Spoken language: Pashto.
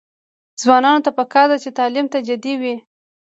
ځوانانو ته پکار ده چې، تعلیم ته جدي وي.